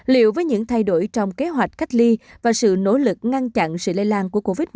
liệu với những thay đổi trong kế hoạch cách ly và sự nỗ lực ngăn chặn sự lây lan của covid một mươi